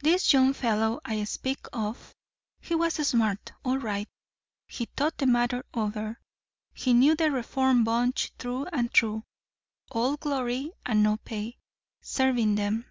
This young fellow I speak of he was smart, all right. He thought the matter over. He knew the reform bunch, through and through. All glory and no pay, serving them.